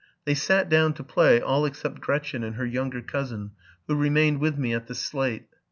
They sat down to play, all except Gretchen and her younger cousin, who remained with me at the slate.